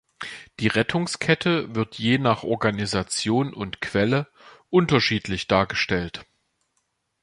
Die Rettungskette wird je nach Organisation und Quelle unterschiedlich dargestellt.